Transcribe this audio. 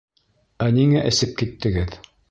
Ә ниңә эсеп киттегеҙ?